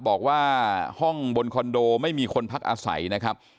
บอกว่าห้องบนคอนโดไม่มีคนพักอาศัยนะครับ